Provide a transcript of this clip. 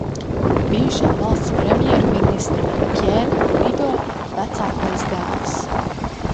Bijušā valsts premjerministra Pjēra Trido vecākais dēls.